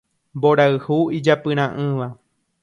Mborayhu ijapyra'ỹva